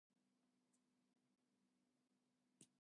The more, vedensity of the material, the better it conducts heat.